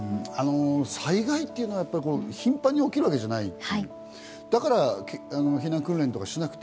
災害っていうのは頻繁に起きるわけじゃない。